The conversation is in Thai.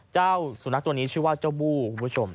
เจ้าสุนัขตัวนี้ชื่อว่าเจ้าบู้คุณผู้ชม